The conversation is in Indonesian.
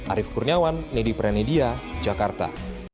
arief kurniawan nedi prenedia jakarta